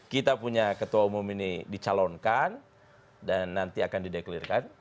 kita punya ketua umum ini dicalonkan dan nanti akan dideklirkan